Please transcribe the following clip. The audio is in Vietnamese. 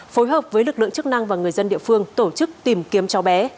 phối hợp với lực lượng chức năng và người dân địa phương tổ chức tìm kiếm cháu bé